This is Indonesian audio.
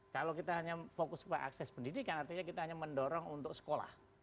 kalau kita hanya fokus pada akses pendidikan artinya kita hanya mendorong untuk sekolah